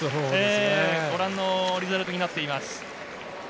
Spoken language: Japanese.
ご覧のリザルトになっています。